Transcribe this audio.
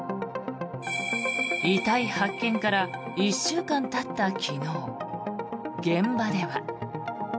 遺体発見から１週間たった昨日現場では。